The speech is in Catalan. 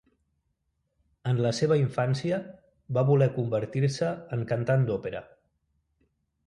En la seva infància, va voler convertir-se en cantant d'òpera.